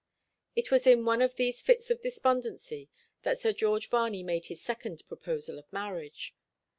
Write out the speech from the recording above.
It was in one of these fits of despondency that Sir George Varney made his second proposal of marriage.